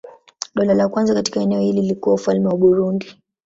Dola la kwanza katika eneo hili lilikuwa Ufalme wa Burundi.